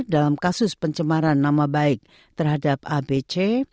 dalam kasus pencemaran nama baik terhadap abc